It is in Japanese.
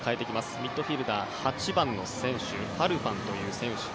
ミッドフィールダー、８番の選手ファルファンという選手。